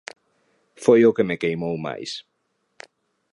Foi o que me queimou máis.